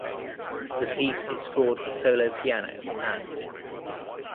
The piece is scored for solo piano and